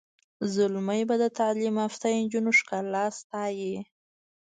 زلمي به د تعلیم یافته نجونو ښکلا ستایي.